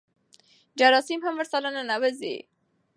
جراثیم هم ورسره ننوځي.